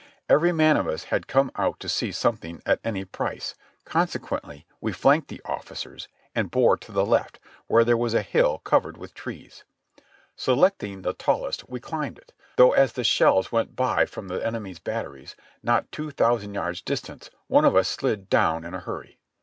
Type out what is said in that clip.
Every man of us had come out to see some thing at any price, consequently we flanked the ofBcers and bore to the left, where there was a hill covered with trees. Selecting THE) SECOND MANASSAS 243 the tallest we climbed it, thoug h as the shells went by from the enemy's batteries, not two thousand yards distant, one of us slid down in a hurry.